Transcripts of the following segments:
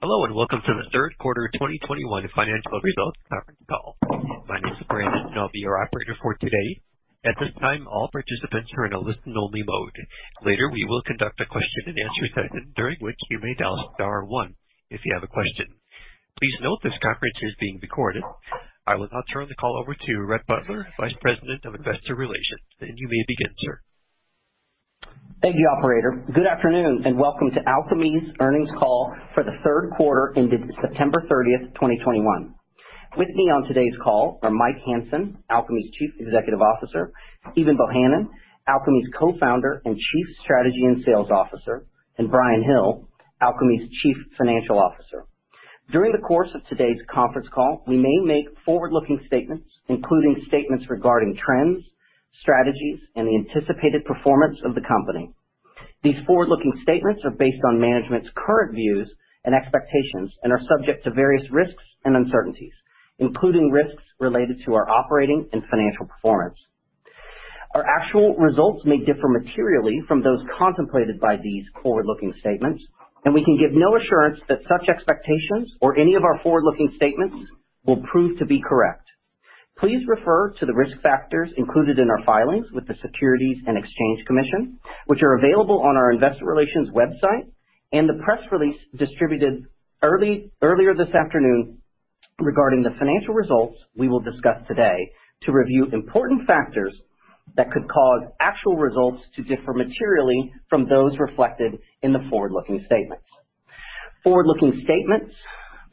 Hello, and welcome to the third quarter 2021 financial results conference call. My name is Brandon, and I'll be your operator for today. At this time, all participants are in a listen-only mode. Later, we will conduct a question-and-answer session during which you may dial star one if you have a question. Please note this conference is being recorded. I will now turn the call over to Rhett Butler, Vice President of Investor Relations. You may begin, sir. Thank you, operator. Good afternoon, and welcome to Alkami's earnings call for the third quarter ended September 30, 2021. With me on today's call are Mike Hansen, Alkami's Chief Executive Officer, Stephen Bohanon, Alkami's Co-Founder and Chief Strategy and Sales Officer, and Bryan Hill, Alkami's Chief Financial Officer. During the course of today's conference call, we may make forward-looking statements, including statements regarding trends, strategies, and the anticipated performance of the company. These forward-looking statements are based on management's current views and expectations and are subject to various risks and uncertainties, including risks related to our operating and financial performance. Our actual results may differ materially from those contemplated by these forward-looking statements, and we can give no assurance that such expectations or any of our forward-looking statements will prove to be correct. Please refer to the risk factors included in our filings with the Securities and Exchange Commission, which are available on our investor relations website and the press release distributed earlier this afternoon regarding the financial results we will discuss today to review important factors that could cause actual results to differ materially from those reflected in the forward-looking statements. Forward-looking statements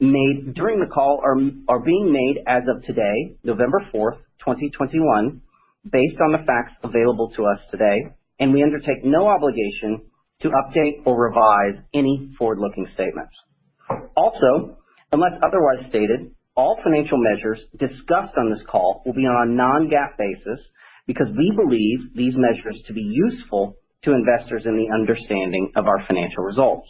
made during the call are being made as of today, November 4, 2021, based on the facts available to us today, and we undertake no obligation to update or revise any forward-looking statements. Also, unless otherwise stated, all financial measures discussed on this call will be on a non-GAAP basis because we believe these measures to be useful to investors in the understanding of our financial results.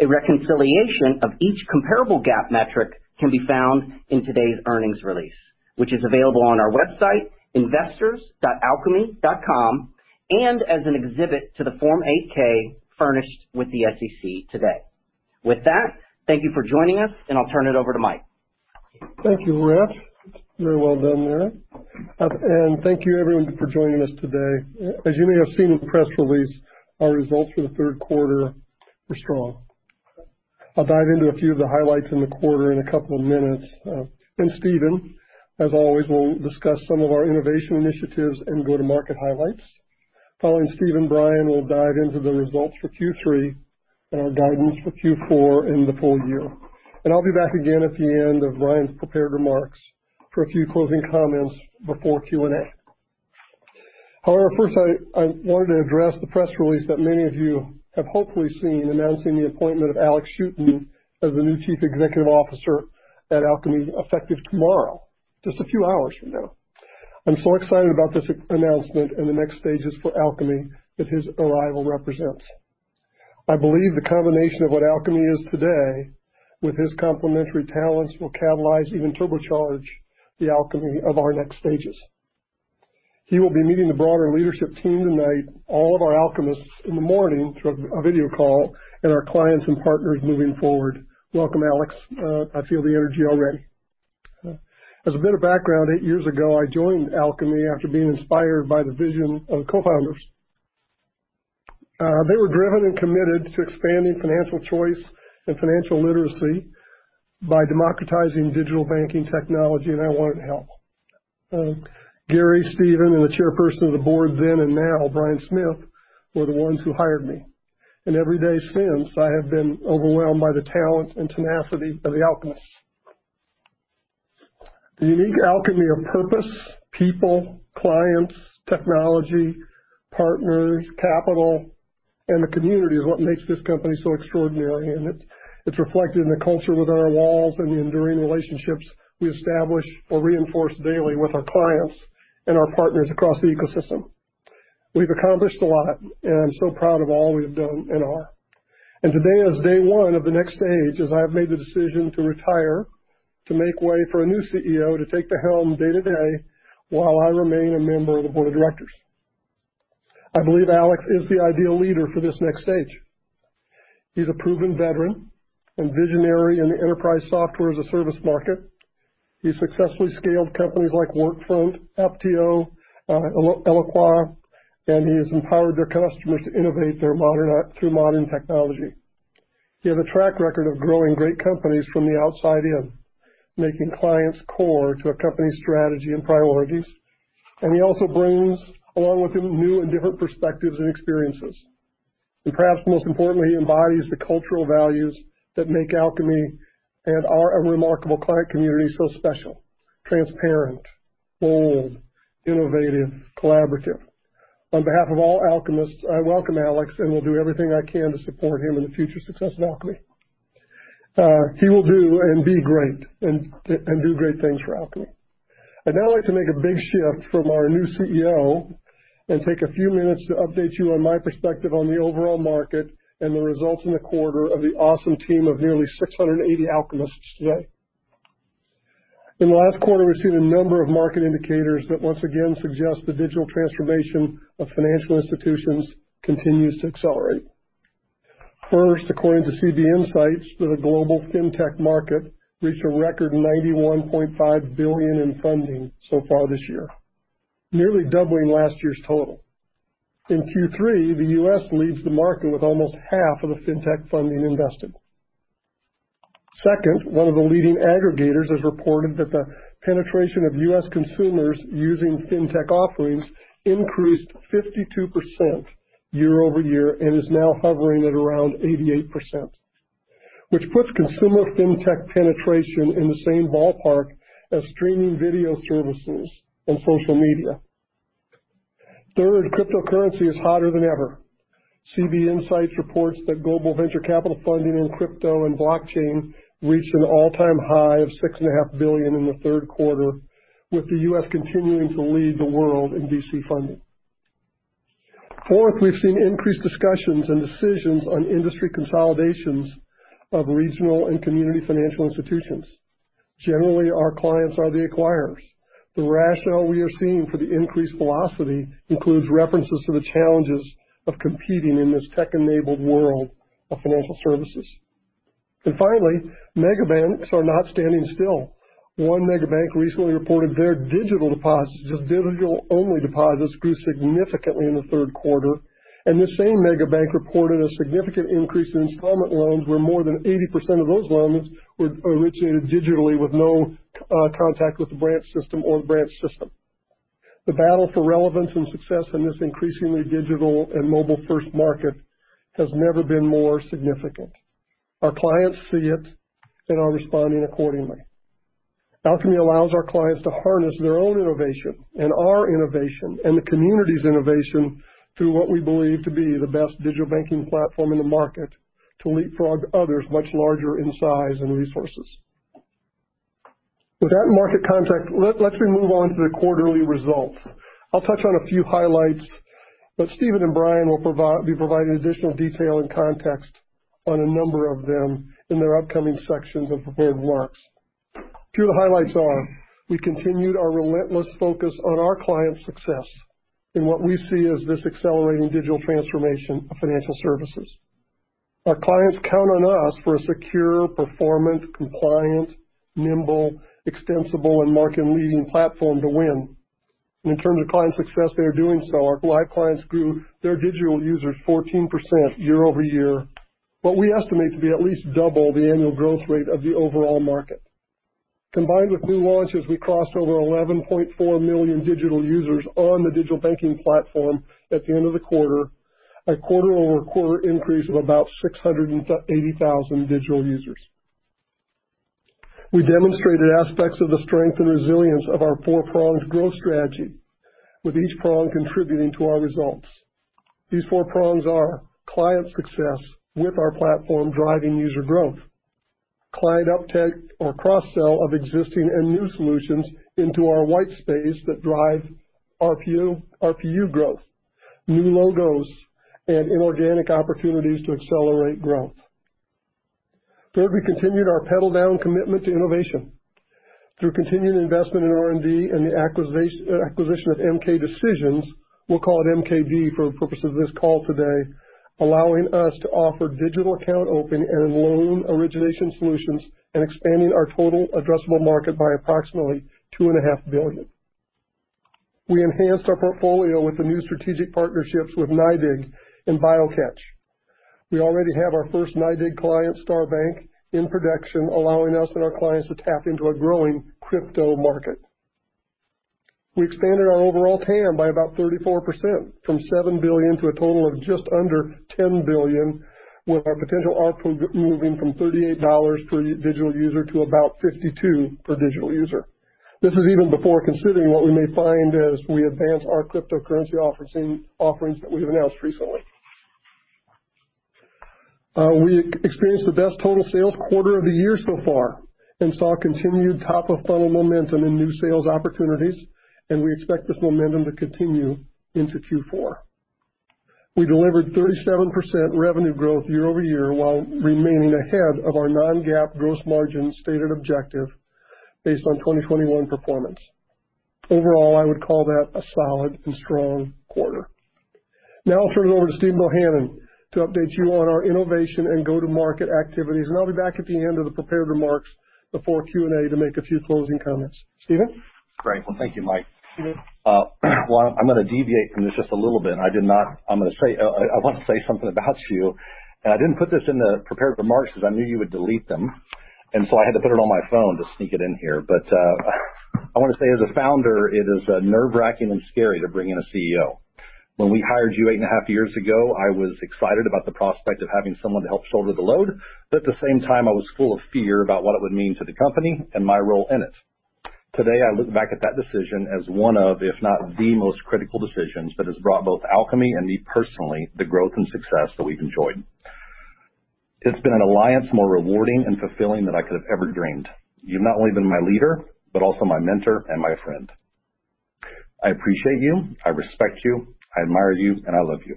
A reconciliation of each comparable GAAP metric can be found in today's earnings release, which is available on our website, investors.alkami.com, and as an exhibit to the Form 8-K furnished with the SEC today. With that, thank you for joining us, and I'll turn it over to Mike. Thank you, Rhett. Very well done there. And thank you everyone for joining us today. As you may have seen in the press release, our results for the third quarter were strong. I'll dive into a few of the highlights in the quarter in a couple of minutes. And Stephen, as always, will discuss some of our innovation initiatives and go-to-market highlights. Following Stephen, Bryan will dive into the results for Q3 and our guidance for Q4 and the full year. I'll be back again at the end of Bryan's prepared remarks for a few closing comments before Q&A. However, first I wanted to address the press release that many of you have hopefully seen announcing the appointment of Alex Shootman as the new Chief Executive Officer at Alkami, effective tomorrow, just a few hours from now. I'm so excited about this announcement and the next stages for Alkami that his arrival represents. I believe the combination of what Alkami is today with his complementary talents will catalyze, even turbocharge, the alchemy of our next stages. He will be meeting the broader leadership team tonight, all of our Alkamists in the morning through a video call and our clients and partners moving forward. Welcome, Alex. I feel the energy already. As a bit of background, eight years ago, I joined Alkami after being inspired by the vision of the co-founders. They were driven and committed to expanding financial choice and financial literacy by democratizing digital banking technology, and I wanted to help. Gary, Stephen, and the Chairperson of the board then and now, Bryan Hill, were the ones who hired me. Every day since, I have been overwhelmed by the talent and tenacity of the Alkamists. The unique alchemy of purpose, people, clients, technology, partners, capital, and the community is what makes this company so extraordinary, and it's reflected in the culture within our walls and the enduring relationships we establish or reinforce daily with our clients and our partners across the ecosystem. We've accomplished a lot, and I'm so proud of all we've done and are. Today is day one of the next stage as I have made the decision to retire to make way for a new CEO to take the helm day-to-day while I remain a member of the board of directors. I believe Alex is the ideal leader for this next stage. He's a proven veteran and visionary in the enterprise software-as-a-service market. He successfully scaled companies like Workfront, Apptio, Eloqua, and he has empowered their customers to innovate through modern technology. He has a track record of growing great companies from the outside in, making clients core to a company's strategy and priorities. He also brings along with him new and different perspectives and experiences. Perhaps most importantly, he embodies the cultural values that make Alkami and our remarkable client community so special, transparent, bold, innovative, collaborative. On behalf of all Alkamists, I welcome Alex and will do everything I can to support him in the future success of Alkami. He will do and be great and do great things for Alkami. I'd now like to make a big shift from our new CEO and take a few minutes to update you on my perspective on the overall market and the results in the quarter of the awesome team of nearly 680 Alkamists today. In the last quarter, we've seen a number of market indicators that once again suggest the digital transformation of financial institutions continues to accelerate. First, according to CB Insights, the global fintech market reached a record $91.5 billion in funding so far this year, nearly doubling last year's total. In Q3, the U.S. leads the market with almost half of the fintech funding invested. Second, one of the leading aggregators has reported that the penetration of U.S. consumers using fintech offerings increased 52% year-over-year and is now hovering at around 88%, which puts consumer fintech penetration in the same ballpark as streaming video services and social media. Third, cryptocurrency is hotter than ever. CB Insights reports that global venture capital funding in crypto and blockchain reached an all-time high of $6.5 billion in the third quarter, with the U.S. continuing to lead the world in VC funding. Fourth, we've seen increased discussions and decisions on industry consolidations of regional and community financial institutions. Generally, our clients are the acquirers. The rationale we are seeing for the increased velocity includes references to the challenges of competing in this tech-enabled world of financial services. Finally, mega banks are not standing still. One mega bank recently reported their digital deposits, their digital-only deposits, grew significantly in the third quarter, and the same mega bank reported a significant increase in installment loans, where more than 80% of those loans were originated digitally with no contact with the branch system. The battle for relevance and success in this increasingly digital and mobile-first market has never been more significant. Our clients see it and are responding accordingly. Alkami allows our clients to harness their own innovation and our innovation and the community's innovation through what we believe to be the best digital banking platform in the market to leapfrog others much larger in size and resources. With that market context, let's move on to the quarterly results. I'll touch on a few highlights, but Stephen and Bryan will be providing additional detail and context on a number of them in their upcoming sections of prepared remarks. Two of the highlights are we continued our relentless focus on our clients' success in what we see as this accelerating digital transformation of financial services. Our clients count on us for a secure, performant, compliant, nimble, extensible, and market-leading platform to win. In terms of client success, they are doing so. Our live clients grew their digital users 14% year-over-year, what we estimate to be at least double the annual growth rate of the overall market. Combined with new launches, we crossed 11.4 million digital users on the Digital Banking Platform at the end of the quarter, a quarter-over-quarter increase of about 680,000 digital users. We demonstrated aspects of the strength and resilience of our four-pronged growth strategy, with each prong contributing to our results. These four prongs are client success with our platform driving user growth, client uptick or cross-sell of existing and new solutions into our white space that drive RPU growth, new logos, and inorganic opportunities to accelerate growth. Third, we continued our pedal-down commitment to innovation through continued investment in R&D and the acquisition of MK Decision, we'll call it MKD for purposes of this call today, allowing us to offer digital account opening and loan origination solutions and expanding our total addressable market by approximately $2.5 billion. We enhanced our portfolio with the new strategic partnerships with NYDIG and BioCatch. We already have our first NYDIG client, STAR Bank, in production, allowing us and our clients to tap into a growing crypto market. We expanded our overall TAM by about 34%, from $7 billion to a total of just under $10 billion, with our potential ARPU moving from $38 per digital user to about $52 per digital user. This is even before considering what we may find as we advance our cryptocurrency offering, offerings that we've announced recently. We experienced the best total sales quarter of the year so far and saw continued top-of-funnel momentum in new sales opportunities, and we expect this momentum to continue into Q4. We delivered 37% revenue growth year-over-year, while remaining ahead of our non-GAAP gross margin stated objective based on 2021 performance. Overall, I would call that a solid and strong quarter. Now I'll turn it over to Stephen Bohanon to update you on our innovation and go-to-market activities, and I'll be back at the end of the prepared remarks before Q&A to make a few closing comments. Stephen? Great. Well, thank you, Mike. I'm gonna deviate from this just a little bit, and I'm gonna say I want to say something about you, and I didn't put this in the prepared remarks because I knew you would delete them, and so I had to put it on my phone to sneak it in here. I want to say as a founder, it is nerve-wracking and scary to bring in a CEO. When we hired you 8.5 years ago, I was excited about the prospect of having someone to help shoulder the load, but at the same time, I was full of fear about what it would mean to the company and my role in it. Today, I look back at that decision as one of, if not, the most critical decisions that has brought both Alkami and me personally, the growth and success that we've enjoyed. It's been an alliance more rewarding and fulfilling than I could have ever dreamed. You've not only been my leader, but also my mentor and my friend. I appreciate you, I respect you, I admire you, and I love you.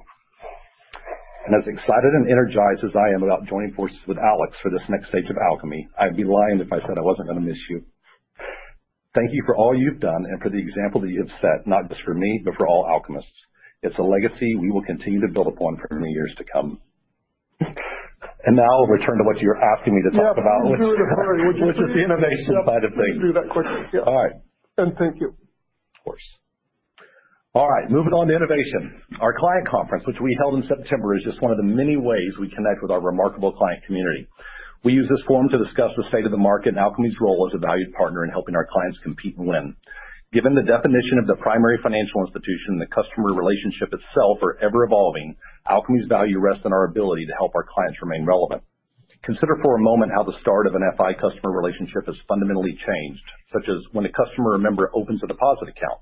As excited and energized as I am about joining forces with Alex for this next stage of Alkami, I'd be lying if I said I wasn't gonna miss you. Thank you for all you've done and for the example that you have set, not just for me, but for all Alkamists. It's a legacy we will continue to build upon for many years to come. Now I'll return to what you're asking me to talk about which is. Yeah. Can you do it very quickly? Which is the innovation side of things. Yep. Let's do that quickly. Yep. All right. Thank you. Of course. All right, moving on to innovation. Our Client Conference, which we held in September, is just one of the many ways we connect with our remarkable client community. We use this forum to discuss the state of the market and Alkami's role as a valued partner in helping our clients compete and win. Given the definition of the primary financial institution, the customer relationship itself are ever evolving. Alkami's value rests in our ability to help our clients remain relevant. Consider for a moment how the start of an FI customer relationship has fundamentally changed, such as when a customer or member opens a deposit account.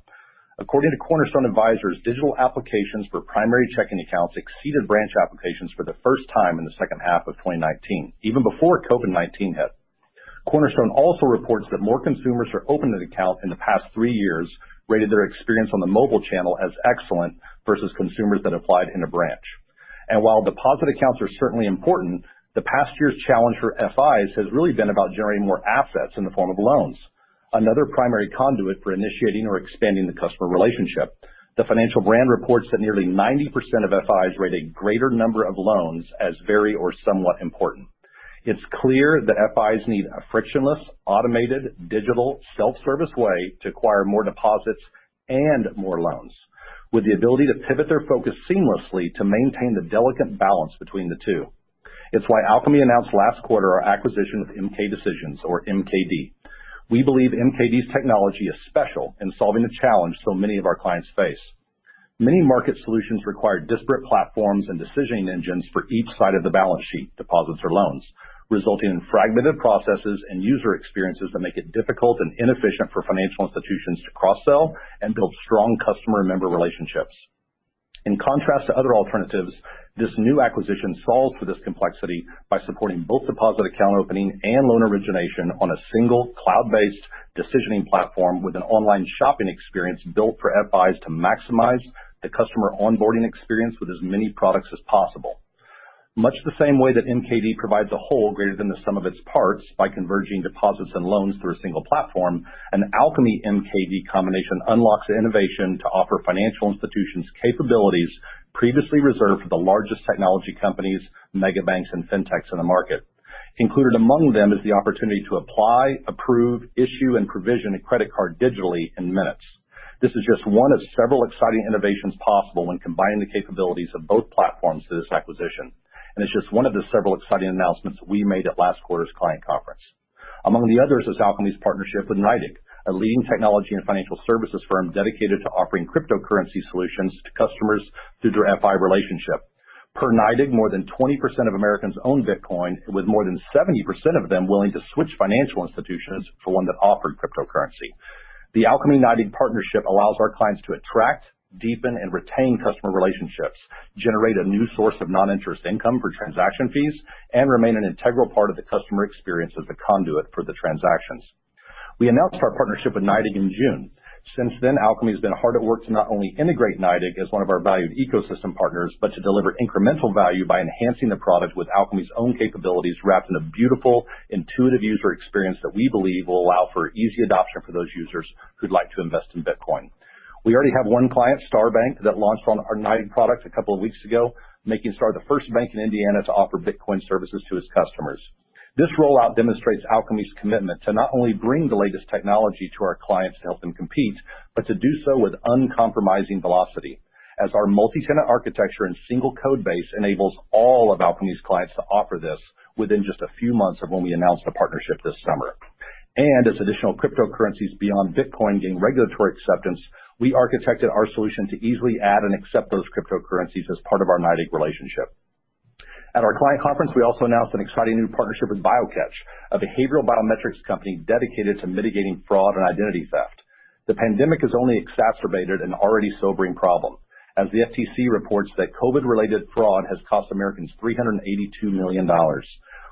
According to Cornerstone Advisors, digital applications for primary checking accounts exceeded branch applications for the first time in the second half of 2019, even before COVID-19 hit. Cornerstone also reports that more consumers who opened an account in the past three years rated their experience on the mobile channel as excellent versus consumers that applied in a branch. While deposit accounts are certainly important, the past year's challenge for FIs has really been about generating more assets in the form of loans, another primary conduit for initiating or expanding the customer relationship. The financial brand reports that nearly 90% of FIs rate a greater number of loans as very or somewhat important. It's clear that FIs need a frictionless, automated, digital, self-service way to acquire more deposits and more loans with the ability to pivot their focus seamlessly to maintain the delicate balance between the two. It's why Alkami announced last quarter our acquisition of MK Decision or MKD. We believe MKD's technology is special in solving the challenge so many of our clients face. Many market solutions require disparate platforms and decisioning engines for each side of the balance sheet, deposits or loans, resulting in fragmented processes and user experiences that make it difficult and inefficient for financial institutions to cross-sell and build strong customer and member relationships. In contrast to other alternatives, this new acquisition solves for this complexity by supporting both deposit account opening and loan origination on a single cloud-based decisioning platform with an online shopping experience built for FIs to maximize the customer onboarding experience with as many products as possible. Much the same way that MKD provides a whole greater than the sum of its parts by converging deposits and loans through a single platform, an Alkami MKD combination unlocks the innovation to offer financial institutions capabilities previously reserved for the largest technology companies, megabanks and fintechs in the market. Included among them is the opportunity to apply, approve, issue and provision a credit card digitally in minutes. This is just one of several exciting innovations possible when combining the capabilities of both platforms to this acquisition, and it's just one of the several exciting announcements we made at last quarter's Client Conference. Among the others is Alkami's partnership with NYDIG, a leading technology and financial services firm dedicated to offering cryptocurrency solutions to customers through their FI relationship. Per NYDIG, more than 20% of Americans own Bitcoin, with more than 70% of them willing to switch financial institutions for one that offered cryptocurrency. The Alkami-NYDIG partnership allows our clients to attract, deepen and retain customer relationships, generate a new source of non-interest income for transaction fees, and remain an integral part of the customer experience as the conduit for the transactions. We announced our partnership with NYDIG in June. Since then, Alkami's been hard at work to not only integrate NYDIG as one of our valued ecosystem partners, but to deliver incremental value by enhancing the product with Alkami's own capabilities wrapped in a beautiful, intuitive user experience that we believe will allow for easy adoption for those users who'd like to invest in Bitcoin. We already have one client, STAR Bank, that launched on our NYDIG product a couple of weeks ago, making STAR the first bank in Indiana to offer Bitcoin services to its customers. This rollout demonstrates Alkami's commitment to not only bring the latest technology to our clients to help them compete, but to do so with uncompromising velocity as our multi-tenant architecture and single code base enables all of Alkami's clients to offer this within just a few months of when we announced the partnership this summer. As additional cryptocurrencies beyond Bitcoin gain regulatory acceptance, we architected our solution to easily add and accept those cryptocurrencies as part of our NYDIG relationship. At our Client Conference, we also announced an exciting new partnership with BioCatch, a behavioral biometrics company dedicated to mitigating fraud and identity theft. The pandemic has only exacerbated an already sobering problem, as the FTC reports that COVID-related fraud has cost Americans $382 million.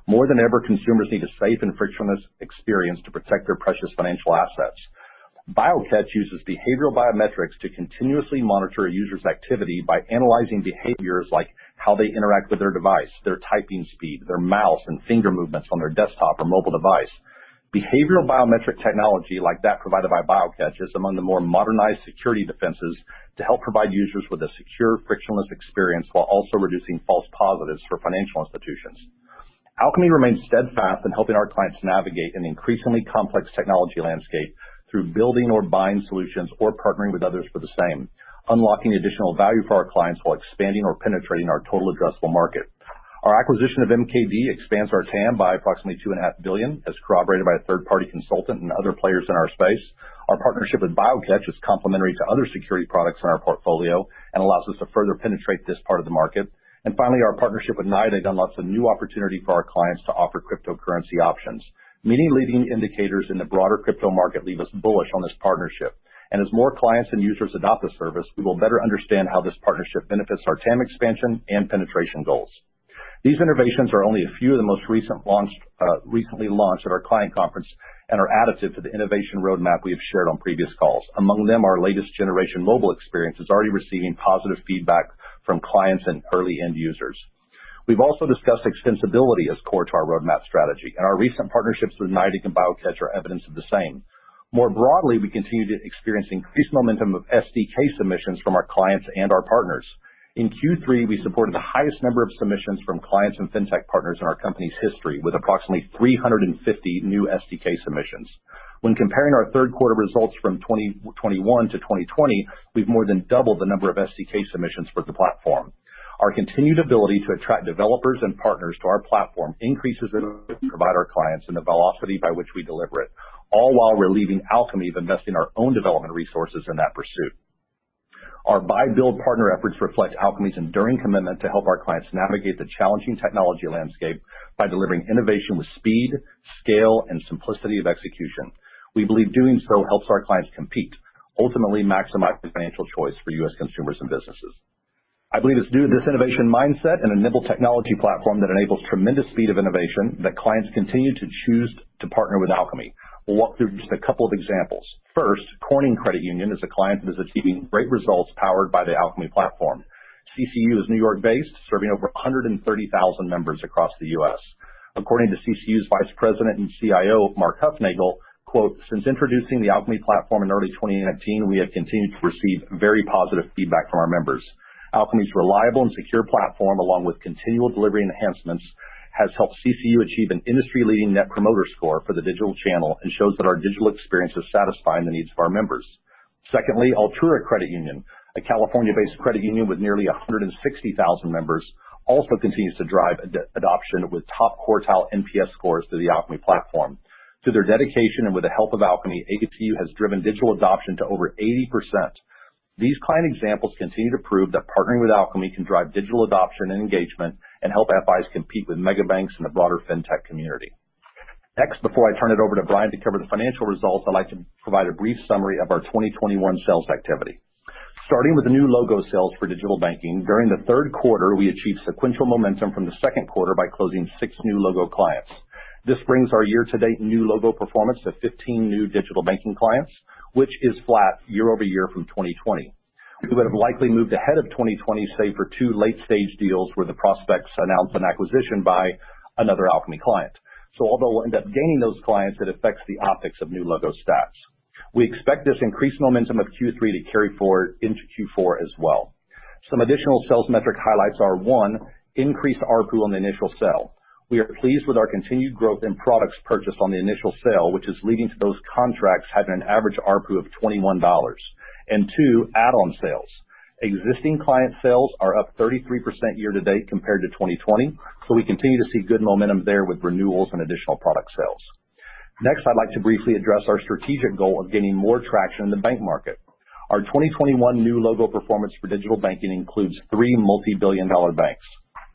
More than ever, consumers need a safe and frictionless experience to protect their precious financial assets. BioCatch uses behavioral biometrics to continuously monitor a user's activity by analyzing behaviors like how they interact with their device, their typing speed, their mouse, and finger movements on their desktop or mobile device. Behavioral biometric technology like that provided by BioCatch is among the more modernized security defenses to help provide users with a secure, frictionless experience while also reducing false positives for financial institutions. Alkami remains steadfast in helping our clients navigate an increasingly complex technology landscape through building or buying solutions or partnering with others for the same, unlocking additional value for our clients while expanding or penetrating our total addressable market. Our acquisition of MKD expands our TAM by approximately $2.5 billion as corroborated by a third-party consultant and other players in our space. Our partnership with BioCatch is complementary to other security products in our portfolio and allows us to further penetrate this part of the market. Finally, our partnership with NYDIG unlocks a new opportunity for our clients to offer cryptocurrency options. Many leading indicators in the broader crypto market leave us bullish on this partnership. As more clients and users adopt the service, we will better understand how this partnership benefits our TAM expansion and penetration goals. These innovations are only a few of the most recent launched, recently launched at our Client Conference and are additive to the innovation roadmap we have shared on previous calls. Among them, our latest generation mobile experience is already receiving positive feedback from clients and early end users. We've also discussed extensibility as core to our roadmap strategy, and our recent partnerships with NYDIG and BioCatch are evidence of the same. More broadly, we continue to experience increased momentum of SDK submissions from our clients and our partners. In Q3, we supported the highest number of submissions from clients and fintech partners in our company's history, with approximately 350 new SDK submissions. When comparing our third quarter results from 2021 to 2020, we've more than doubled the number of SDK submissions for the platform. Our continued ability to attract developers and partners to our platform increases the value we provide our clients and the velocity by which we deliver it, all while relieving Alkami of investing our own development resources in that pursuit. Our buy, build, partner efforts reflect Alkami's enduring commitment to help our clients navigate the challenging technology landscape by delivering innovation with speed, scale, and simplicity of execution. We believe doing so helps our clients compete, ultimately maximizing financial choice for U.S. consumers and businesses. I believe it's due to this innovation mindset and a nimble technology platform that enables tremendous speed of innovation that clients continue to choose to partner with Alkami. We'll walk through just a couple of examples. First, Corning Credit Union is a client that is achieving great results powered by the Alkami platform. CCU is New York-based, serving over 130,000 members across the U.S. According to CCU's Vice President and CIO, Mark Hufnagel, quote, "Since introducing the Alkami platform in early 2019, we have continued to receive very positive feedback from our members. Alkami's reliable and secure platform, along with continual delivery enhancements, has helped CCU achieve an industry-leading Net Promoter Score for the digital channel and shows that our digital experience is satisfying the needs of our members. Secondly, Altura Credit Union, a California-based credit union with nearly 160,000 members, also continues to drive adoption with top quartile NPS scores to the Alkami platform. Through their dedication and with the help of Alkami, ACU has driven digital adoption to over 80%. These client examples continue to prove that partnering with Alkami can drive digital adoption and engagement and help FIs compete with mega banks in the broader fintech community. Next, before I turn it over to Brian to cover the financial results, I'd like to provide a brief summary of our 2021 sales activity. Starting with the new logo sales for digital banking, during the third quarter, we achieved sequential momentum from the second quarter by closing six new logo clients. This brings our year-to-date new logo performance to 15 new digital banking clients, which is flat year-over-year from 2020. We would have likely moved ahead of 2020, save for two late-stage deals where the prospects announced an acquisition by another Alkami client. Although we'll end up gaining those clients, it affects the optics of new logo stats. We expect this increased momentum of Q3 to carry forward into Q4 as well. Some additional sales metric highlights are, one, increased ARPU on the initial sale. We are pleased with our continued growth in products purchased on the initial sale, which is leading to those contracts having an average ARPU of $21. Two, add-on sales. Existing client sales are up 33% year to date compared to 2020, so we continue to see good momentum there with renewals and additional product sales. Next, I'd like to briefly address our strategic goal of gaining more traction in the bank market. Our 2021 new logo performance for digital banking includes three multi-billion-dollar banks.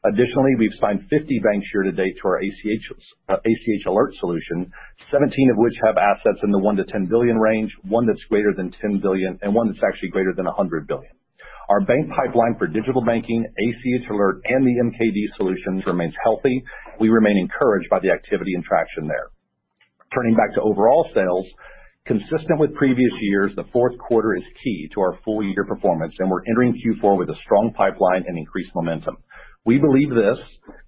Additionally, we've signed 50 banks year to date to our ACH Alert solution, 17 of which have assets in the $1 billion-$10 billion range, one that's greater than $10 billion and one that's actually greater than $100 billion. Our bank pipeline for digital banking, ACH Alert, and the MKD solutions remains healthy. We remain encouraged by the activity and traction there. Turning back to overall sales, consistent with previous years, the fourth quarter is key to our full-year performance, and we're entering Q4 with a strong pipeline and increased momentum. We believe this,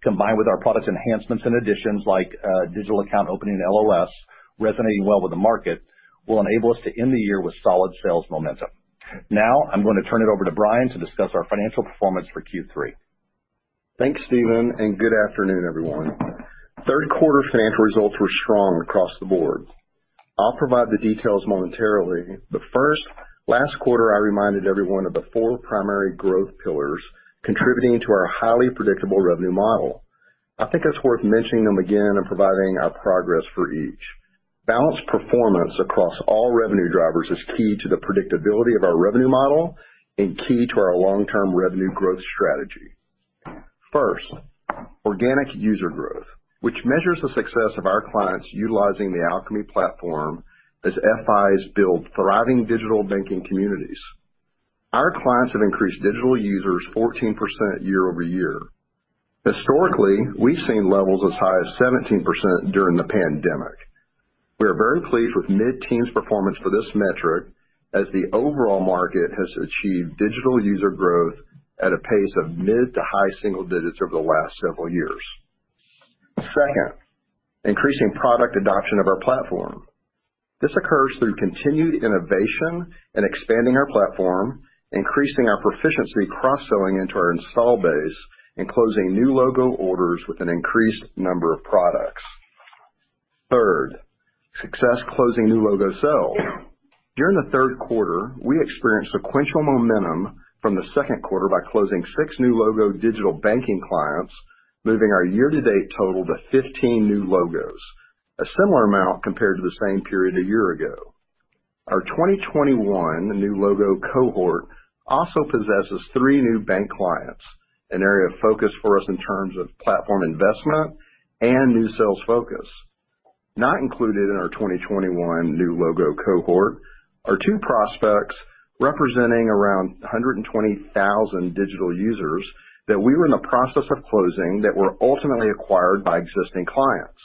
combined with our product enhancements and additions like digital account opening and LOS resonating well with the market, will enable us to end the year with solid sales momentum. Now, I'm going to turn it over to Bryan to discuss our financial performance for Q3. Thanks, Stephen, and good afternoon, everyone. Third quarter financial results were strong across the board. I'll provide the details momentarily, but first, last quarter, I reminded everyone of the four primary growth pillars contributing to our highly predictable revenue model. I think it's worth mentioning them again and providing our progress for each. Balanced performance across all revenue drivers is key to the predictability of our revenue model and key to our long-term revenue growth strategy. First, organic user growth, which measures the success of our clients utilizing the Alkami platform as FIs build thriving digital banking communities. Our clients have increased digital users 14% year-over-year. Historically, we've seen levels as high as 17% during the pandemic. We are very pleased with mid-teens performance for this metric, as the overall market has achieved digital user growth at a pace of mid- to high single digits over the last several years. Second, increasing product adoption of our platform. This occurs through continued innovation and expanding our platform, increasing our proficiency cross-selling into our install base, and closing new logo orders with an increased number of products. Third, success closing new logo sales. During the third quarter, we experienced sequential momentum from the second quarter by closing six new logo digital banking clients, moving our year-to-date total to 15 new logos, a similar amount compared to the same period a year ago. Our 2021 new logo cohort also possesses three new bank clients, an area of focus for us in terms of platform investment and new sales focus. Not included in our 2021 new logo cohort are two prospects representing around 120,000 digital users that we were in the process of closing that were ultimately acquired by existing clients.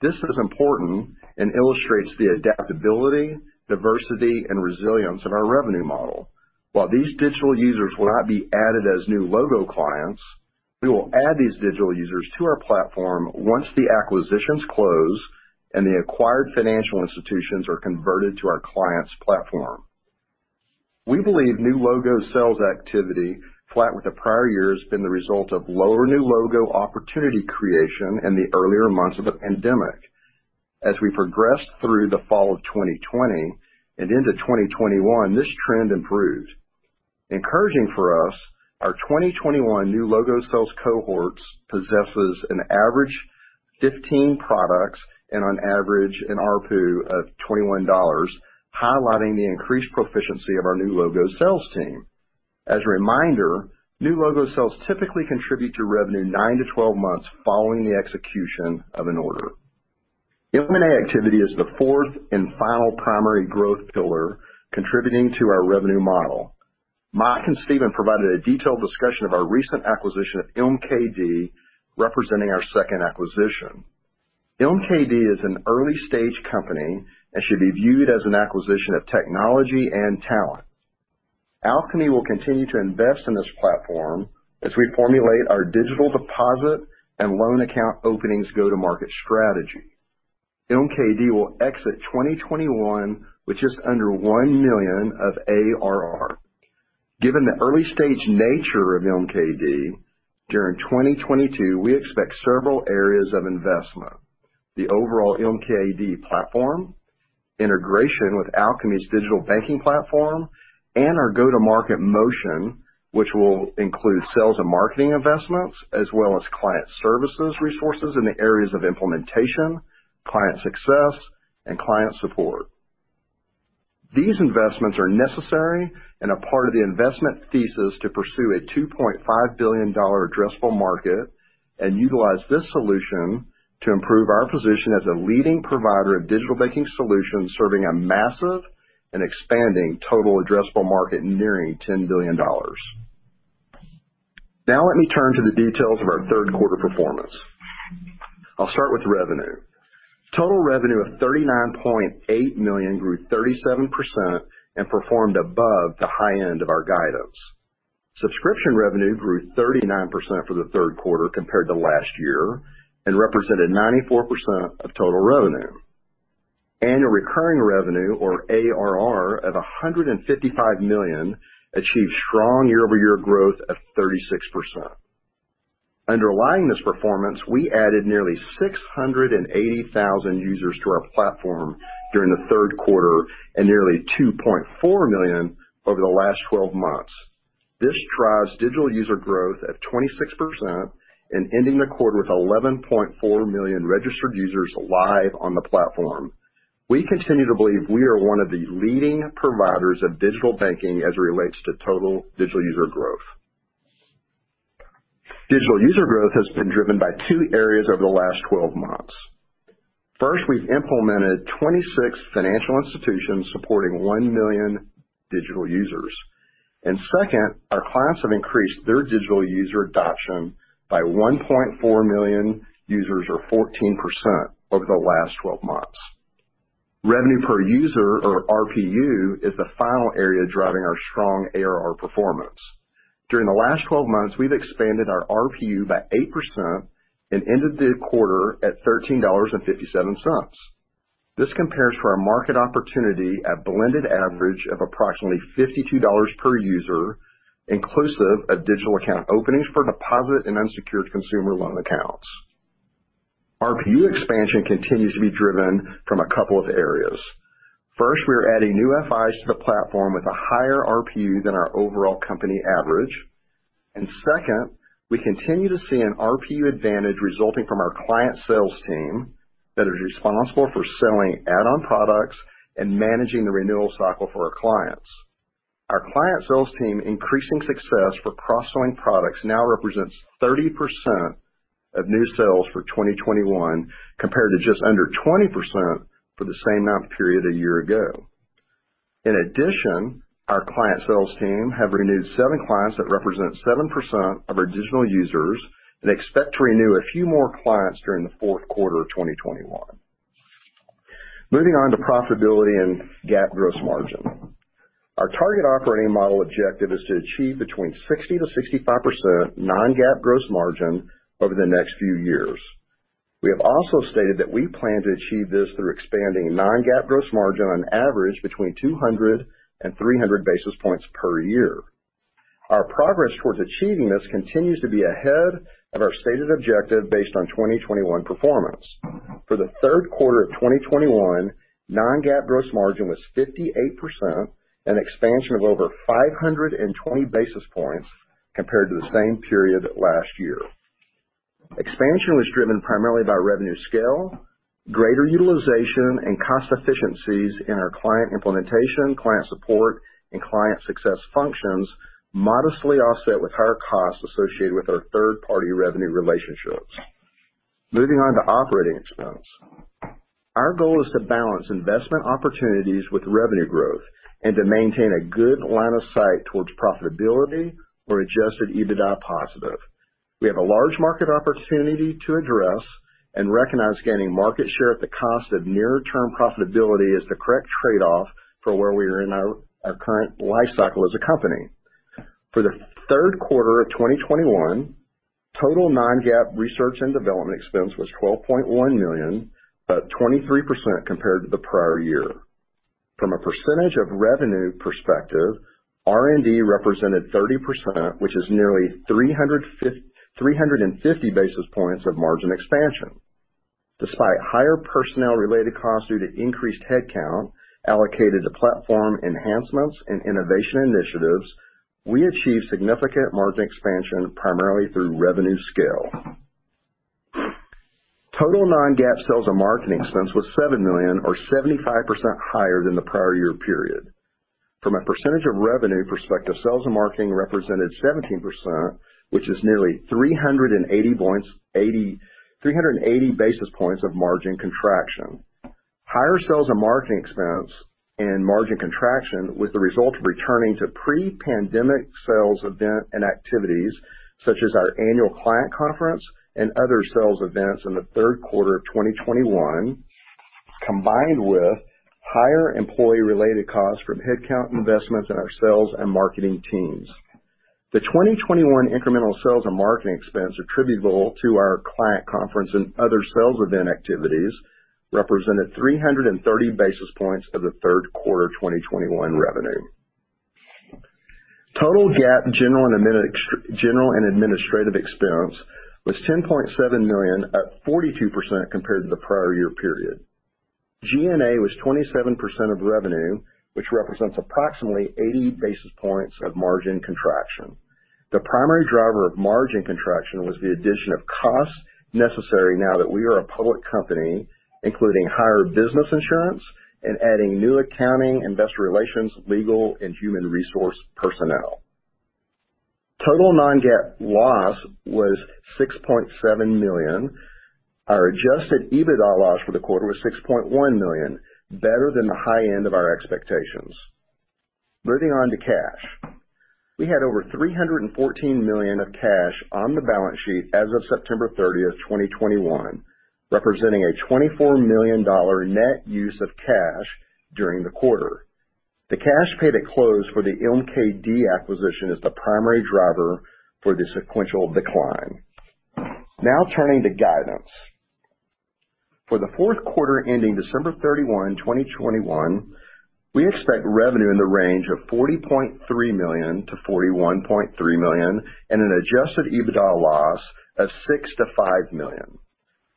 This is important and illustrates the adaptability, diversity, and resilience of our revenue model. While these digital users will not be added as new logo clients, we will add these digital users to our platform once the acquisitions close and the acquired financial institutions are converted to our client's platform. We believe new logo sales activity flat with the prior year has been the result of lower new logo opportunity creation in the earlier months of the pandemic. As we progressed through the fall of 2020 and into 2021, this trend improved. Encouraging for us, our 2021 new logo sales cohorts possesses an average 15 products and on average an ARPU of $21, highlighting the increased proficiency of our new logo sales team. As a reminder, new logo sales typically contribute to revenue nine-12 months following the execution of an order. M&A activity is the fourth and final primary growth pillar contributing to our revenue model. Mike and Stephen provided a detailed discussion of our recent acquisition of MKD, representing our second acquisition. MKD is an early-stage company and should be viewed as an acquisition of technology and talent. Alkami will continue to invest in this platform as we formulate our digital deposit and loan account openings go-to-market strategy. MKD will exit 2021 with just under $1 million of ARR. Given the early stage nature of MKD, during 2022, we expect several areas of investment. The overall MKD platform, integration with Alkami's digital banking platform, and our go-to-market motion, which will include sales and marketing investments, as well as client services resources in the areas of implementation, client success, and client support. These investments are necessary and a part of the investment thesis to pursue a $2.5 billion addressable market and utilize this solution to improve our position as a leading provider of digital banking solutions, serving a massive and expanding total addressable market nearing $10 billion. Now let me turn to the details of our third quarter performance. I'll start with revenue. Total revenue of $39.8 million grew 37% and performed above the high end of our guidance. Subscription revenue grew 39% for the third quarter compared to last year and represented 94% of total revenue. Annual recurring revenue, or ARR, of $155 million achieved strong year-over-year growth of 36%. Underlying this performance, we added nearly 680,000 users to our platform during the third quarter and nearly 2.4 million over the last twelve months. This drives digital user growth at 26% and ending the quarter with 11.4 million registered users live on the platform. We continue to believe we are one of the leading providers of digital banking as it relates to total digital user growth. Digital user growth has been driven by two areas over the last twelve months. First, we've implemented 26 financial institutions supporting one million digital users. Second, our clients have increased their digital user adoption by 1.4 million users or 14% over the last 12 months. Revenue per user or RPU is the final area driving our strong ARR performance. During the last 12 months, we've expanded our RPU by 8% and ended the quarter at $13.57. This compares to our market opportunity at blended average of approximately $52 per user, inclusive of digital account openings for deposit and unsecured consumer loan accounts. RPU expansion continues to be driven from a couple of areas. First, we are adding new FIs to the platform with a higher RPU than our overall company average. Second, we continue to see an RPU advantage resulting from our client sales team that is responsible for selling add-on products and managing the renewal cycle for our clients. Our client sales team increasing success for cross-selling products now represents 30% of new sales for 2021, compared to just under 20% for the same amount period a year ago. In addition, our client sales team have renewed seven clients that represent 7% of our digital users and expect to renew a few more clients during the fourth quarter of 2021. Moving on to profitability and GAAP gross margin. Our target operating model objective is to achieve between 60%-65% non-GAAP gross margin over the next few years. We have also stated that we plan to achieve this through expanding non-GAAP gross margin on average between 200-300 basis points per year. Our progress towards achieving this continues to be ahead of our stated objective based on 2021 performance. For the third quarter of 2021, non-GAAP gross margin was 58%, an expansion of over 520 basis points compared to the same period last year. Expansion was driven primarily by revenue scale, greater utilization, and cost efficiencies in our client implementation, client support, and client success functions, modestly offset with higher costs associated with our third-party revenue relationships. Moving on to operating expense. Our goal is to balance investment opportunities with revenue growth and to maintain a good line of sight towards profitability or Adjusted EBITDA positive. We have a large market opportunity to address and recognize gaining market share at the cost of near-term profitability is the correct trade-off for where we are in our current life cycle as a company. For the third quarter of 2021, total non-GAAP research and development expense was $12.1 million, up 23% compared to the prior year. From a percentage of revenue perspective, R&D represented 30%, which is nearly 350 basis points of margin expansion. Despite higher personnel-related costs due to increased headcount allocated to platform enhancements and innovation initiatives, we achieved significant margin expansion primarily through revenue scale. Total non-GAAP sales and marketing expense was $7 million or 75% higher than the prior year period. From a percentage of revenue perspective, sales and marketing represented 17%, which is nearly 380 basis points of margin contraction. Higher sales and marketing expense and margin contraction was the result of returning to pre-pandemic sales event and activities such as our annual Client Conference and other sales events in the third quarter of 2021, combined with higher employee-related costs from headcount investments in our sales and marketing teams. The 2021 incremental sales and marketing expense attributable to our Client Conference and other sales event activities represented 330 basis points of the third quarter of 2021 revenue. Total GAAP general and administrative expense was $10.7 million, up 42% compared to the prior year period. G&A was 27% of revenue, which represents approximately 80 basis points of margin contraction. The primary driver of margin contraction was the addition of costs necessary now that we are a public company, including higher business insurance and adding new accounting, investor relations, legal and human resource personnel. Total non-GAAP loss was $6.7 million. Our Adjusted EBITDA loss for the quarter was $6.1 million, better than the high end of our expectations. Moving on to cash. We had over $314 million of cash on the balance sheet as of September 30, 2021, representing a $24 million net use of cash during the quarter. The cash paid at close for the MKD acquisition is the primary driver for the sequential decline. Now turning to guidance. For the fourth quarter ending December 31, 2021, we expect revenue in the range of $40.3 million-$41.3 million and an Adjusted EBITDA loss of $6 million-$5 million.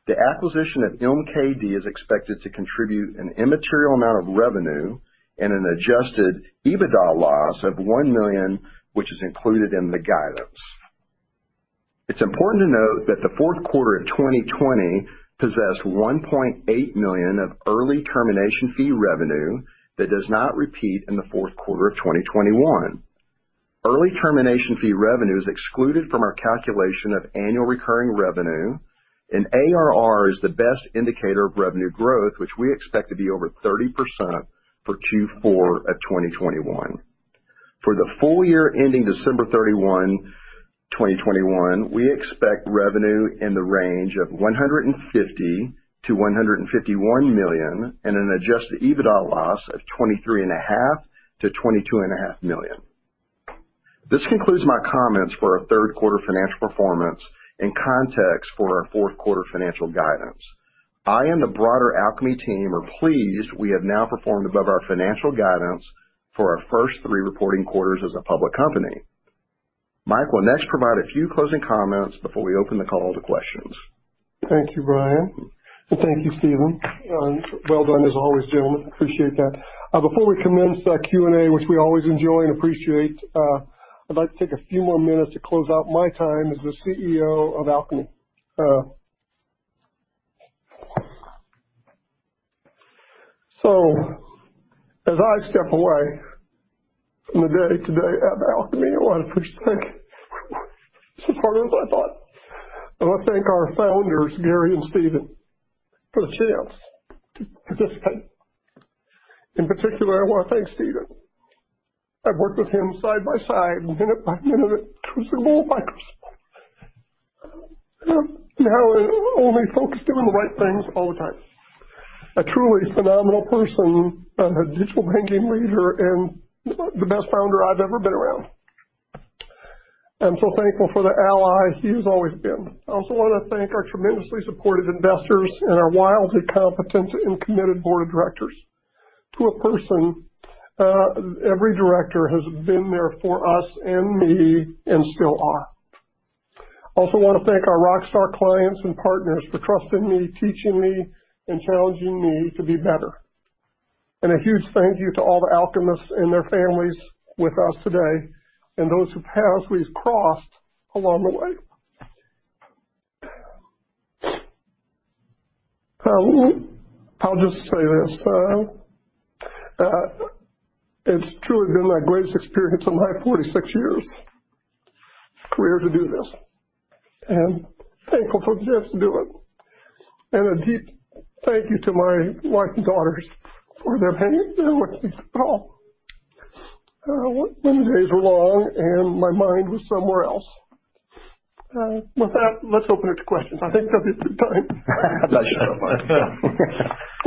The acquisition of MKD is expected to contribute an immaterial amount of revenue and an Adjusted EBITDA loss of $1 million, which is included in the guidance. It's important to note that the fourth quarter of 2020 possessed $1.8 million of early termination fee revenue that does not repeat in the fourth quarter of 2021. Early termination fee revenue is excluded from our calculation of annual recurring revenue, and ARR is the best indicator of revenue growth, which we expect to be over 30% for Q4 of 2021. For the full year ending December 31, 2021, we expect revenue in the range of $150 million-$151 million and an Adjusted EBITDA loss of $23.5 million-$22.5 million. This concludes my comments for our third quarter financial performance and context for our fourth quarter financial guidance. I and the broader Alkami team are pleased we have now performed above our financial guidance for our first three reporting quarters as a public company. Mike will next provide a few closing comments before we open the call to questions. Thank you, Brian. Thank you, Stephen. Well done as always, gentlemen. Appreciate that. Before we commence our Q&A, which we always enjoy and appreciate, I'd like to take a few more minutes to close out my time as the CEO of Alkami. As I step away from the day-to-day at Alkami, it was much bigger so far than I thought. I wanna thank our founders, Gary and Stephen, for the chance to participate. In particular, I wanna thank Stephen. I've worked with him side by side, minute by minute, through thick and thin. He has only focused on the right things all the time. A truly phenomenal person, a digital banking leader, and the best founder I've ever been around. I'm so thankful for the ally he's always been. I also wanna thank our tremendously supportive investors and our wildly competent and committed board of directors. To a person, every director has been there for us and me and still are. I also wanna thank our rockstar clients and partners for trusting me, teaching me, and challenging me to be better. A huge thank you to all the Alkamists and their families with us today and those whose paths we've crossed along the way. I'll just say this. It's truly been my greatest experience in my 46-year career to do this and thankful for the chance to do it. A deep thank you to my wife and daughters for their patience and what they've been through when the days were long and my mind was somewhere else. With that, let's open it to questions. I think that'll be a good time. All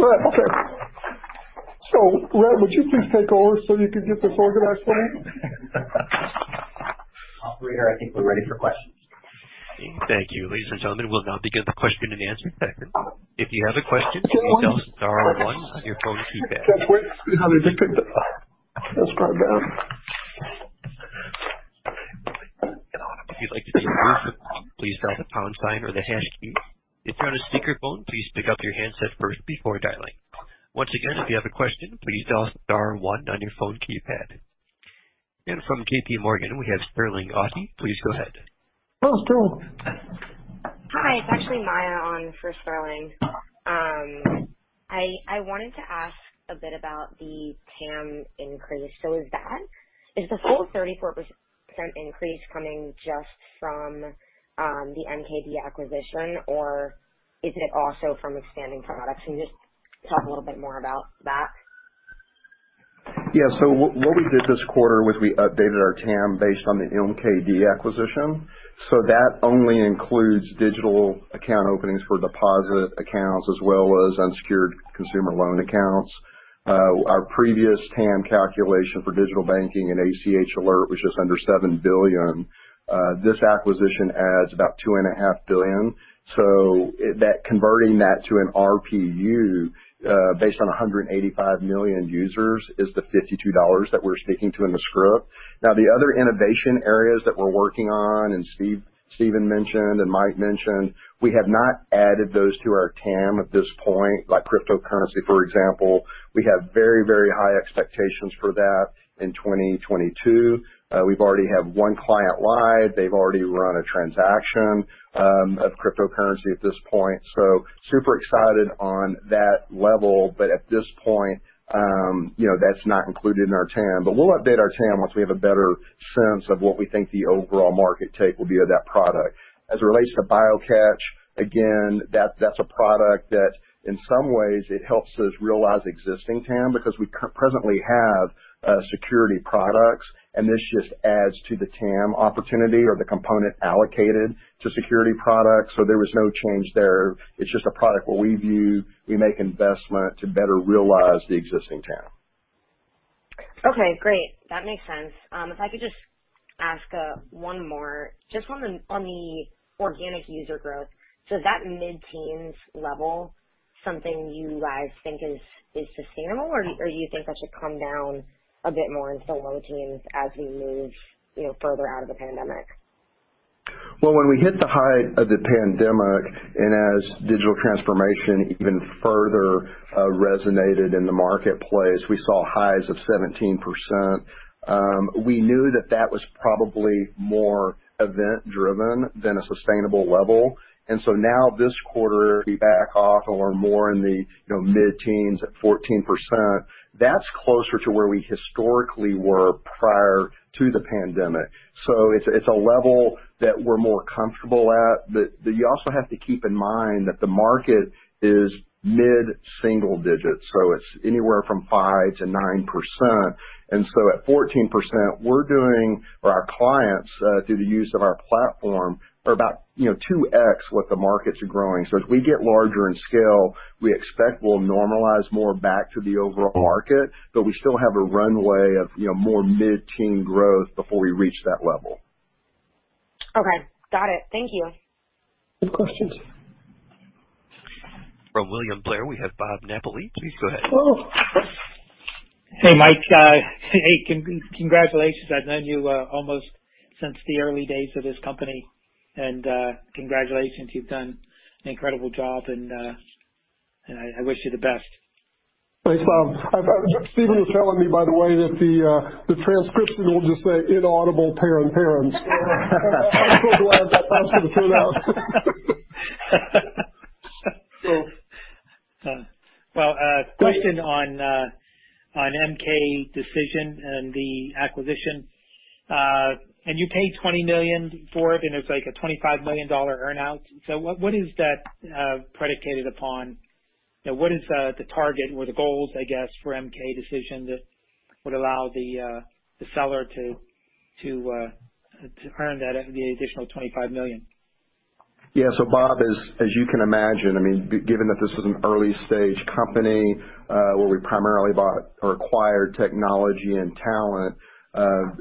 right. Okay. Rhett, would you please take over so you can get this organized for me? Operator, I think we're ready for questions. Thank you. Ladies and gentlemen, we'll now begin the question and answer segment. If you have a question, please dial star one on your phone keypad. How they did things. Let's calm down. If you'd like to withdraw, please dial the pound sign or the hash key. If you're on a speakerphone, please pick up your handset first before dialing. Once again, if you have a question, please dial star one on your phone keypad. From J.P. Morgan, we have Sterling Auty. Please go ahead. Oh, Sterling. Hi. It's actually Maya on for Sterling. I wanted to ask a bit about the TAM increase. Is the full 34% increase coming just from the MKD acquisition or is it also from expanding products? Can you just talk a little bit more about that? What we did this quarter was we updated our TAM based on the MKD acquisition. That only includes digital account openings for deposit accounts as well as unsecured consumer loan accounts. Our previous TAM calculation for digital banking and ACH Alert was just under $7 billion. This acquisition adds about $2.5 billion. Converting that to an RPU based on 185 million users is the $52 that we're speaking to in the script. Now, the other innovation areas that we're working on, and Stephen mentioned and Mike mentioned, we have not added those to our TAM at this point, like cryptocurrency, for example. We have very, very high expectations for that in 2022. We've already have one client live. They've already run a transaction of cryptocurrency at this point, so super excited on that level. At this point, you know, that's not included in our TAM. We'll update our TAM once we have a better sense of what we think the overall market uptake will be of that product. As it relates to BioCatch, again, that's a product that in some ways it helps us realize existing TAM because we currently have security products, and this just adds to the TAM opportunity or the component allocated to security products. There was no change there. It's just a product where we view we make investment to better realize the existing TAM. Okay, great. That makes sense. If I could just ask one more. Just on the organic user growth. Is that mid-teens level something you guys think is sustainable or do you think that should come down a bit more into low teens as we move, you know, further out of the pandemic? Well, when we hit the height of the pandemic and as digital transformation even further resonated in the marketplace, we saw highs of 17%. We knew that that was probably more event-driven than a sustainable level. Now this quarter we back off and we're more in the, you know, mid-teens at 14%. That's closer to where we historically were prior to the pandemic. It's a level that we're more comfortable at. You also have to keep in mind that the market is mid-single digits, so it's anywhere from 5%-9%. At 14% we're doing, for our clients, through the use of our platform are about, you know, 2x what the markets are growing. As we get larger in scale, we expect we'll normalize more back to the overall market. We still have a runway of, you know, more mid-teen growth before we reach that level. Okay. Got it. Thank you. Good questions. From William Blair, we have Bob Napoli. Please go ahead. Oh. Hey, Mike. Hey, congratulations. I've known you almost since the early days of this company. I wish you the best. Thanks, Bob. Stephen was telling me, by the way, that the transcription will just say inaudible parentheticals. Glad that that's gonna play out. A question on MK Decision and the acquisition. You paid $20 million for it, and it's like a $25 million earn-out. What is that predicated upon? You know, what is the target or the goals, I guess, for MK Decision that would allow the seller to earn that, the additional $25 million? Yeah. Bob, as you can imagine, I mean, given that this was an early-stage company, where we primarily bought or acquired technology and talent,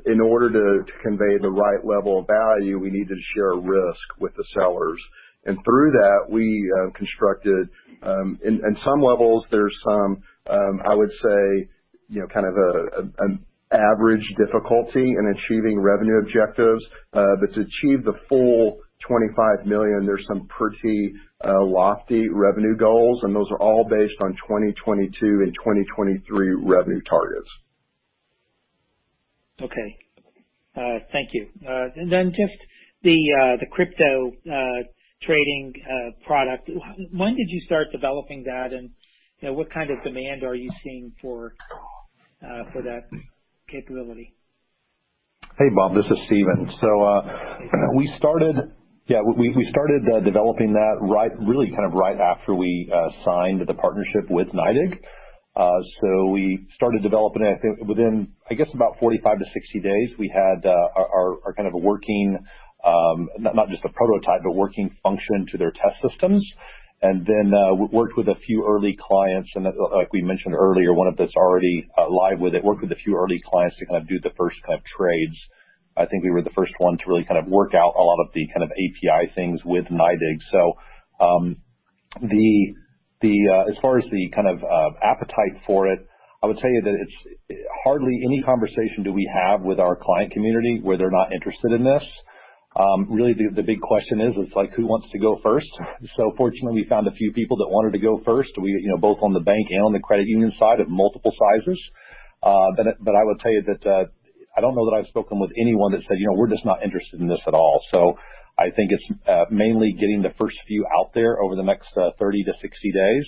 in order to convey the right level of value, we needed to share risk with the sellers. Through that, we constructed. In some levels there's some, I would say, you know, kind of an average difficulty in achieving revenue objectives. To achieve the full $25 million, there's some pretty lofty revenue goals, and those are all based on 2022 and 2023 revenue targets. Okay. Thank you. Just the crypto trading product. When did you start developing that? You know, what kind of demand are you seeing for that capability. Hey Bob, this is Stephen. We started developing that really kind of right after we signed the partnership with NYDIG. We started developing it, I think within, I guess, about 45-60 days, we had our kind of a working, not just a prototype, but working function to their test systems. Then we worked with a few early clients, and like we mentioned earlier, one that's already live with it, worked with a few early clients to kind of do the first kind of trades. I think we were the first ones to really kind of work out a lot of the kind of API things with NYDIG. As far as the kind of appetite for it, I would tell you that it's hardly any conversation do we have with our client community where they're not interested in this. Really the big question is, it's like who wants to go first? Fortunately we found a few people that wanted to go first, we you know both on the bank and on the credit union side of multiple sizes. But I would tell you that I don't know that I've spoken with anyone that said, "You know, we're just not interested in this at all." I think it's mainly getting the first few out there over the next 30-60 days.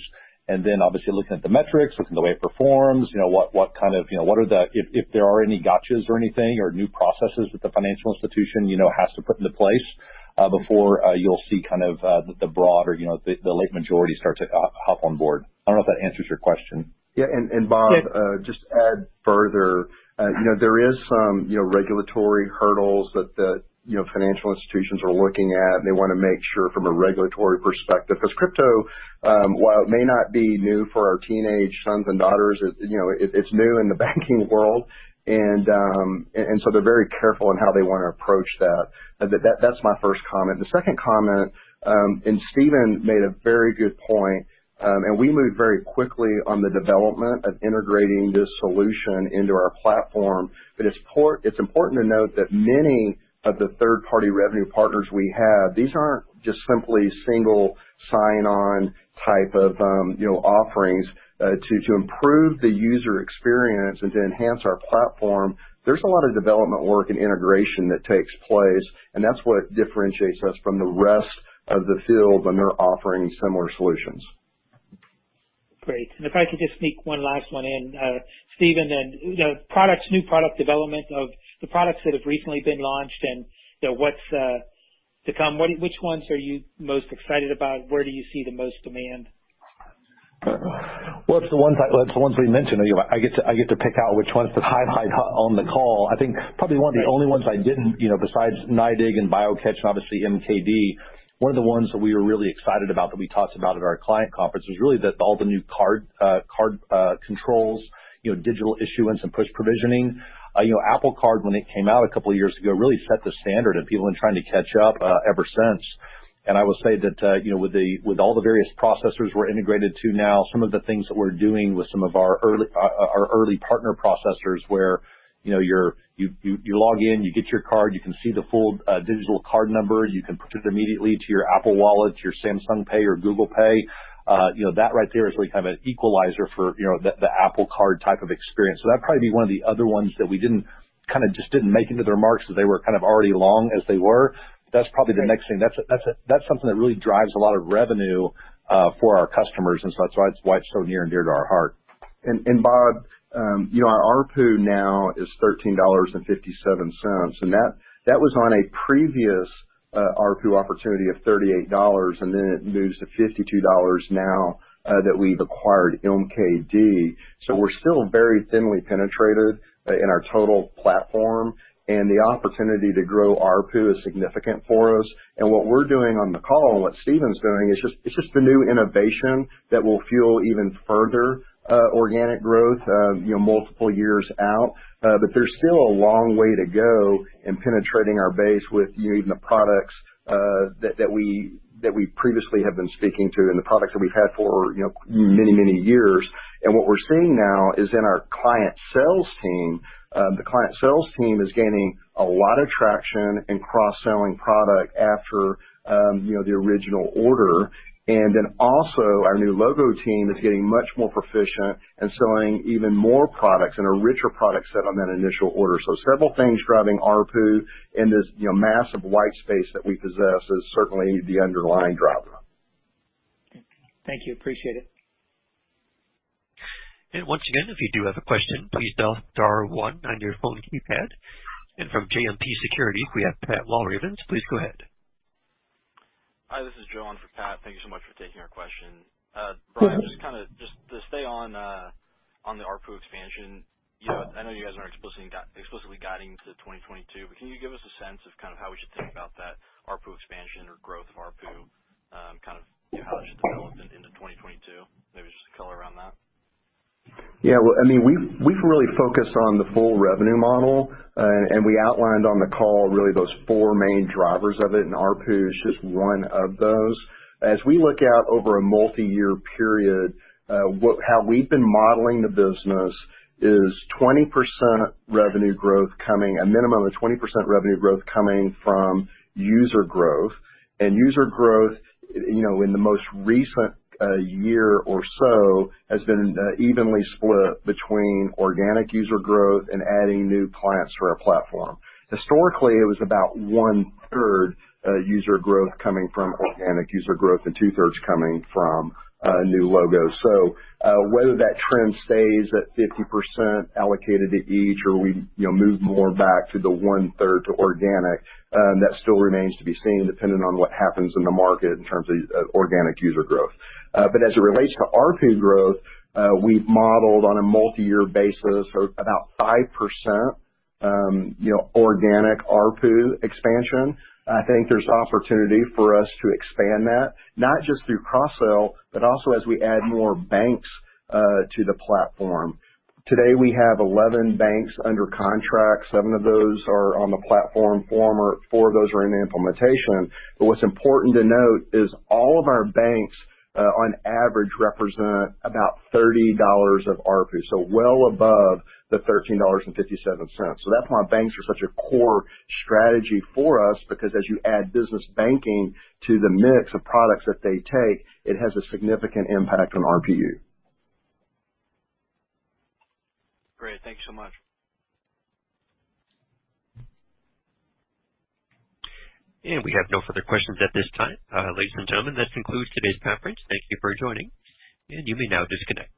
Obviously looking at the metrics, looking at the way it performs, you know, what kind of, you know, what are the... If there are any gotchas or anything or new processes that the financial institution, you know, has to put into place, before you'll see kind of the broad or, you know, the late majority start to hop on board. I don't know if that answers your question. Bob, just add further, there is some regulatory hurdles that the financial institutions are looking at, and they wanna make sure from a regulatory perspective. Because crypto, while it may not be new for our teenage sons and daughters, it's new in the banking world. They're very careful in how they wanna approach that. That's my first comment. The second comment, Stephen made a very good point. We moved very quickly on the development of integrating this solution into our platform. It's important to note that many of the third-party revenue partners we have, these aren't just simply single sign on type of offerings. To improve the user experience and to enhance our platform, there's a lot of development work and integration that takes place, and that's what differentiates us from the rest of the field when they're offering similar solutions. Great. If I could just sneak one last one in, Stephen, and you know, products, new product development of the products that have recently been launched and you know, what's to come, which ones are you most excited about? Where do you see the most demand? Well, it's the ones we mentioned. You know, I get to pick out which ones to highlight on the call. I think probably one of the only ones I didn't, you know, besides NYDIG and BioCatch and obviously MKD, one of the ones that we were really excited about that we talked about at our Client Conference was really that all the new card controls, you know, digital issuance and push provisioning. You know, Apple Card, when it came out a couple of years ago, really set the standard and people have been trying to catch up ever since. I will say that, you know, with all the various processors we're integrated to now, some of the things that we're doing with some of our early partner processors, where, you know, you log in, you get your card, you can see the full digital card number, you can put it immediately to your Apple Wallet, your Samsung Pay or Google Pay. You know, that right there is really kind of an equalizer for, you know, the Apple Card type of experience. So that'd probably be one of the other ones that we kind of just didn't make into the remarks, as they were kind of already long as they were. That's probably the next thing. That's something that really drives a lot of revenue for our customers, and so that's why it's so near and dear to our heart. Bob, you know, our ARPU now is $13.57, and that was on a previous ARPU opportunity of $38, and then it moves to $52 now that we've acquired MKD. We're still very thinly penetrated in our total platform, and the opportunity to grow ARPU is significant for us. What we're doing on the call and what Stephen's doing is just the new innovation that will fuel even further organic growth, you know, multiple years out. There's still a long way to go in penetrating our base with, you know, even the products that we previously have been speaking to and the products that we've had for, you know, many years. What we're seeing now is our client sales team is gaining a lot of traction in cross-selling product after, you know, the original order. Then also our new logo team is getting much more proficient in selling even more products and a richer product set on that initial order. Several things driving ARPU in this, you know, massive white space that we possess is certainly the underlying driver. Okay. Thank you. Appreciate it. Once again, if you do have a question, please dial star one on your phone keypad. From JMP Securities, we have Patrick Walravens. Please go ahead. Hi, this is John for Pat. Thank you so much for taking our question. Bryan, just to kind of just to stay on the ARPU expansion, you know, I know you guys aren't explicitly guiding to 2022, but can you give us a sense of kind of how we should think about that ARPU expansion or growth of ARPU, kind of how I should develop it into 2022? Maybe just color around that. Yeah. Well, I mean, we've really focused on the full revenue model, and we outlined on the call really those four main drivers of it, and ARPU is just one of those. As we look out over a multiyear period, how we've been modeling the business is a minimum of 20% revenue growth coming from user growth. User growth, you know, in the most recent year or so has been evenly split between organic user growth and adding new clients for our platform. Historically, it was about 1/3 user growth coming from organic user growth and 2/3 coming from new logos. Whether that trend stays at 50% allocated to each or we, you know, move more back to the one-third to organic, that still remains to be seen depending on what happens in the market in terms of organic user growth. But as it relates to ARPU growth, we've modeled on a multi-year basis for about 5%, you know, organic ARPU expansion. I think there's opportunity for us to expand that, not just through cross-sell, but also as we add more banks to the platform. Today, we have 11 banks under contract. Seven of those are on the platform, four of those are in the implementation. But what's important to note is all of our banks, on average represent about $30 of ARPU, so well above the $13.57. That's why banks are such a core strategy for us, because as you add business banking to the mix of products that they take, it has a significant impact on ARPU. Great. Thank you so much. We have no further questions at this time. Ladies and gentlemen, this concludes today's conference. Thank you for joining, and you may now disconnect.